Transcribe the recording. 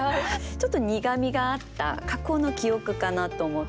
ちょっと苦みがあった過去の記憶かなと思って。